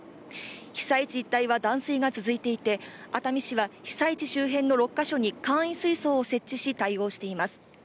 被災地一帯は断水が続いていて被災地周辺の６か所に簡易水槽を設置し対応しています。